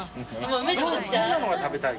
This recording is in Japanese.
食べたい。